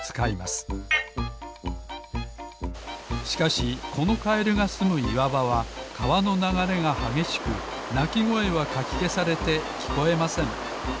しかしこのカエルがすむいわばはかわのながれがはげしくなきごえはかきけされてきこえません。